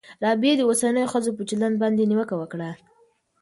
رابعې د اوسنیو ښځو په چلند باندې نیوکه وکړه.